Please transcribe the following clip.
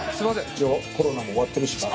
一応コロナも終わってるし。